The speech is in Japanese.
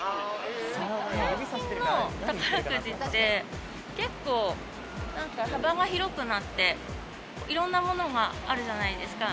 最近の宝くじって幅が広くなって、いろんなものがあるじゃないですか。